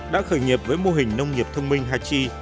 đã khởi nghiệp với mô hình nông nghiệp thông minh hachi